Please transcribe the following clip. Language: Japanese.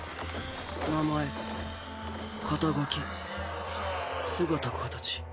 名前肩書姿形。